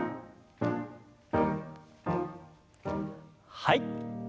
はい。